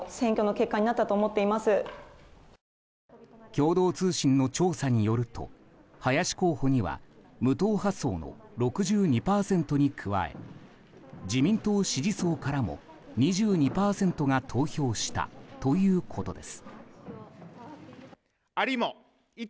共同通信の調査によると林候補には無党派層の６２％に加え自民党支持層からも２２％が投票したということです。